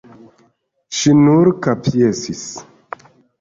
Ŝi nur kapjesis.